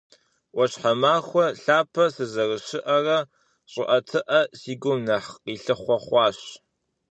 Ӏуащхьэмахуэ лъапэ сызэрыщыӏэрэ, щӏыӏэтыӏэ си гум нэхъ къилъыхъуэ хъуащ.